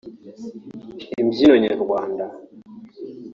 imbyino nyarwanda